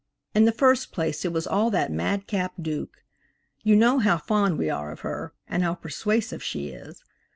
In the first place it was all that mad cap Duke. You know how fond we are of her, and how persuasive she is.